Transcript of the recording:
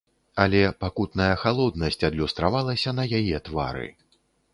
Але пакутная халоднасць адлюстравалася на яе твары.